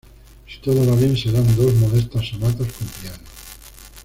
Si todo va bien, serán dos modestas sonatas con piano’’.